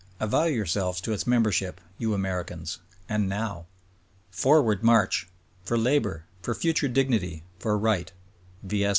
Avow yourselves to its membership, you Americans, and now ! Forward march ! For labor, for future dignity, for right — V.